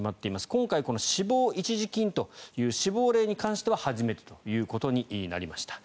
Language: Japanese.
今回、この死亡一時金という死亡例に関しては初めてということになりました。